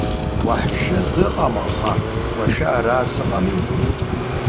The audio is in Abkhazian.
Уаҳәшьа дыҟам, аха уашьа ара сыҟами.